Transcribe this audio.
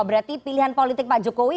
berarti pilihan politik pak jokowi